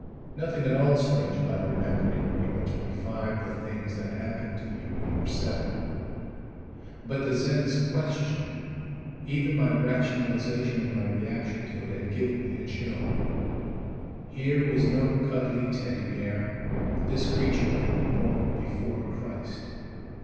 Nothing at all strange about remembering, when you are twenty five, the things that happened to you when you were seven ... But the Zen's question, even my rationalization of my reaction to it, had given me a chill. Here was no cuddly teddy bear. This creature had been born before Christ!